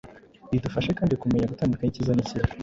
idufasha kandi kumenya gutandukanya icyiza n‟ikibi.